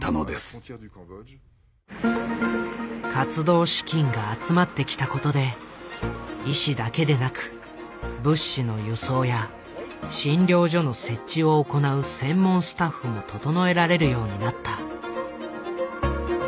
活動資金が集まってきたことで医師だけでなく物資の輸送や診療所の設置を行う専門スタッフもととのえられるようになった。